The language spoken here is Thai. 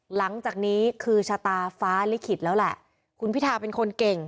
หลังจากนี้คือชะตาฟ้าลิขิตแล้วแหละคุณพิทาเป็นคนเก่ง